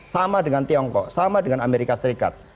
sama dengan tiongkok sama dengan amerika serikat